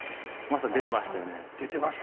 まさに出てましたよね。